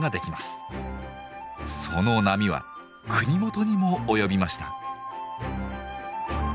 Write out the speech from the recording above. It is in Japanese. その波は国元にも及びました。